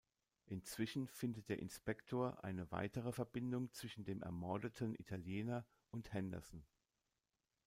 Inzwischen findet der Inspektor eine weitere Verbindung zwischen dem ermordeten Italiener und Henderson.